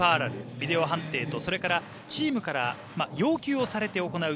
ビデオ判定と、それからチームから要求をされて行う